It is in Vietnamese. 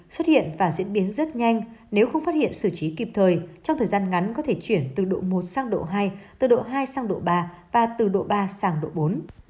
xuất hiện và diễn biến rất nhanh nếu không phát hiện xử trí kịp thời trong thời gian ngắn có thể chuyển từ độ một sang độ hai từ độ hai sang độ ba và từ độ ba sang độ bốn